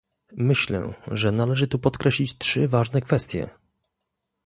Myślę, że należy tu podkreślić trzy ważne kwestie